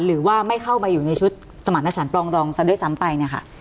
หรือว่าไม่เข้ามาอยู่ในชุดสมัครหน้าศาลปลองดองด้วยซ้ำไป